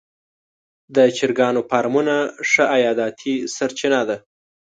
د چرګانو فارمونه ښه عایداتي سرچینه ده.